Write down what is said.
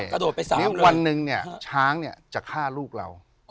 กระโดดไปสามเลยวันหนึ่งเนี่ยช้างเนี่ยจะฆ่าลูกเรา